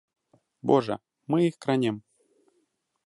Божа, мы іх кранем.